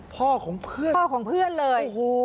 พ่อของเพื่อนพ่อของเพื่อนเลย